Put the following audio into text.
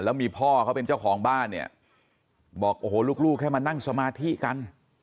แล้วมีพ่อเขาเป็นเจ้าของบ้านเนี่ยบอกโอ้โหลูกแค่มานั่งสมาธิกัน